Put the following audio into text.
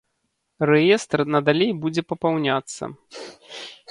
Рэестр надалей будзе папаўняцца.